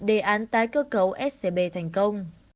đề án tái cơ cấu scb thành công